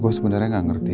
gue sebenarnya gak ngerti